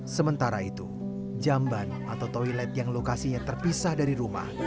sementara itu jamban atau toilet yang lokasinya terpisah dari rumah